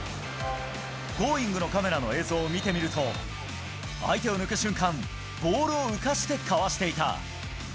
Ｇｏｉｎｇ！のカメラの映像を見てみると、相手を抜く瞬間、ボールを浮かしてかわしていた。